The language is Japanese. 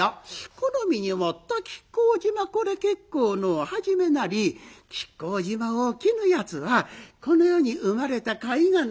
好みに織った亀甲縞これ結構の初めなり亀甲縞を着ぬ奴はこの世に生まれたかいがない。